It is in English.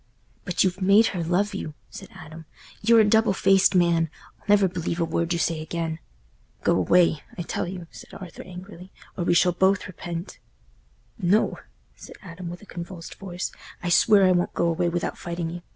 "But you've made her love you," said Adam. "You're a double faced man—I'll never believe a word you say again." "Go away, I tell you," said Arthur, angrily, "or we shall both repent." "No," said Adam, with a convulsed voice, "I swear I won't go away without fighting you.